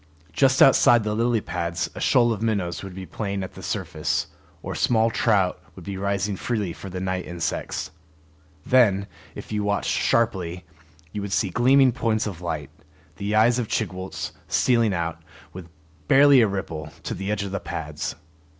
Just outside the lily pads a shoal of minnows would be playing at the surface, or small trout would be rising freely for the night insects. Then, if you watched sharply, you would see gleaming points of light, the eyes of Chigwooltz, stealing out, with barely a ripple, to the edge of the pads.